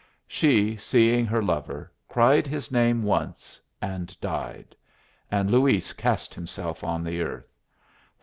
She, seeing her lover, cried his name once and died; and Luis cast himself on the earth.